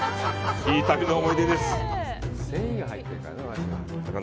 いい旅の思い出です。